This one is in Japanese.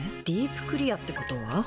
「ディープクリア」ってことは。